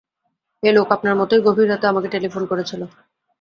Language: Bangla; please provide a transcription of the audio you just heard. এই লোক আপনার মতোই গভীর রাতে আমাকে টেলিফোন করেছিল।